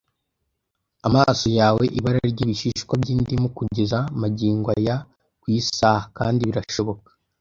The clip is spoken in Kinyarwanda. amaso yawe ibara ryibishishwa byindimu kugeza magingo aya ku isaha? Kandi birashoboka,